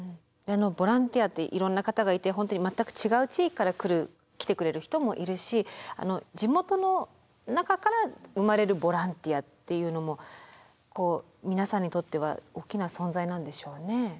ボランティアっていろんな方がいて本当に全く違う地域から来る来てくれる人もいるし地元の中から生まれるボランティアっていうのも皆さんにとっては大きな存在なんでしょうね。